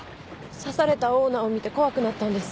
刺されたオーナーを見て怖くなったんです。